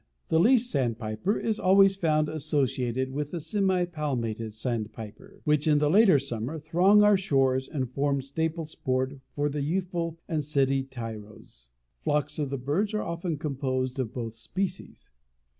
The Least Sandpiper is always found associated with the Semi palmated Sandpiper, which in the later summer throng our shores and form staple sport to the youthful and city tyros. Flocks of birds are often composed of both species.